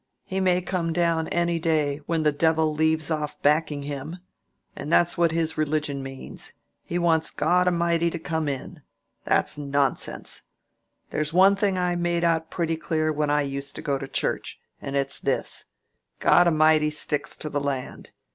He may come down any day, when the devil leaves off backing him. And that's what his religion means: he wants God A'mighty to come in. That's nonsense! There's one thing I made out pretty clear when I used to go to church—and it's this: God A'mighty sticks to the land.